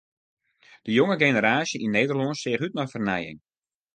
De jonge generaasje yn Nederlân seach út nei fernijing.